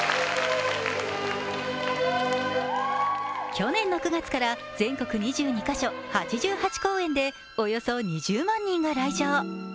去年の９月から全国２２か所、８８公演でおよそ２０万人が来場。